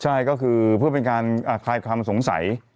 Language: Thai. ใช่ก็คือเพื่อเป็นการคลายความสงสัย